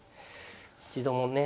一度もね